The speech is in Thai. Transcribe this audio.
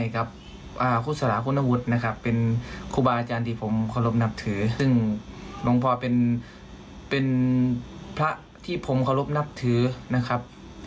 ครูสลาคุณอาจารย์ที่ผมขอรบนับถือซึ่งหลวงพ่อเป็นพระที่ผมขอรบนับถือนะครับ